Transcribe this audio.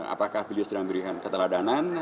apakah beliau sudah memberikan keteladanan